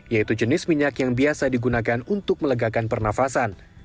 yaitu jenis minyak yang biasa digunakan untuk melegakan pernafasan